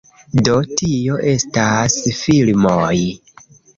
Do, tio estas filmoj